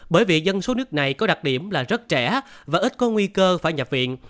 bởi vì dân số nước này có đặc điểm là rất trẻ và ít có nguy cơ phải nhập viện